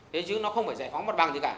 thế chứ nó không phải giải phóng mặt bằng gì cả